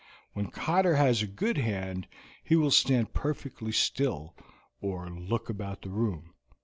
When Cotter has a good hand he will stand perfectly still or look about the room.